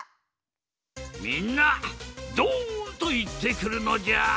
みんなドンといってくるのじゃ！